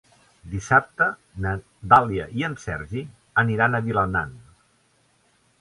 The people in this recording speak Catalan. Dissabte na Dàlia i en Sergi aniran a Vilanant.